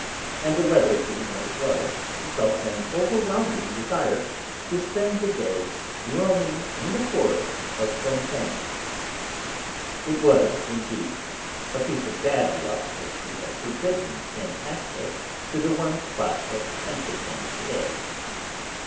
And the weather being what it was, he felt an overwhelming desire to spend the day roaming in the forest of Compiègne. It was, indeed, a piece of bad luck that she had forbidden him access to the one spot that tempted him to day.